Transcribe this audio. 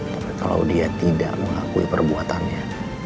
tapi kalau dia tidak mengakui perbuatannya